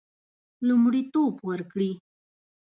لومړیتوب ورکړي.